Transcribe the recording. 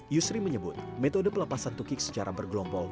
yusri menyebut metode pelepasan tukik secara bergelombol